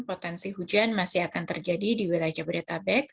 potensi hujan masih akan terjadi di wilayah jabodetabek